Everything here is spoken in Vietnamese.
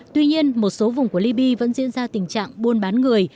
tuy nhiên một số vùng của libya vẫn diễn ra tình trạng buôn bỏ